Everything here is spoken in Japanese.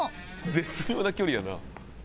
絶妙な距離やな。